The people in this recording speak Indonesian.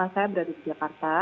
saya berada di jakarta